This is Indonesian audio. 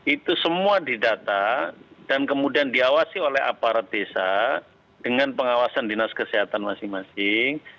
itu semua didata dan kemudian diawasi oleh aparat desa dengan pengawasan dinas kesehatan masing masing